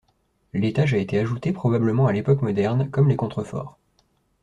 L'étage a été ajouté probablement à l'époque moderne comme les contreforts.